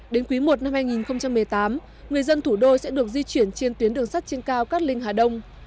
đến quý i năm hai nghìn một mươi tám người dân thủ đô sẽ được di chuyển trên tuyến đường sắt trên cao cát linh hà đông